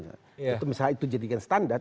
itu misalnya itu jadikan standar